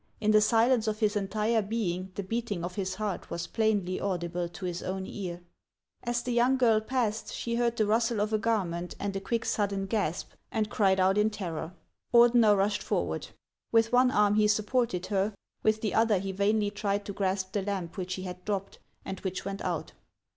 In the silence of his entire being the beating of his heart was plainly audible to his own ear. As the young girl passed, she heard the rustle of a gar ment, and a quick, sudden gasp, and cried out in terror. Ordener rushed forward. With one arm he supported her, with the other he vainly tried to grasp the lamp which she had dropped, and which went out.